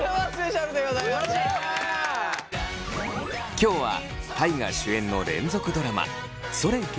今日は大我主演の連続ドラマ「それゆけ！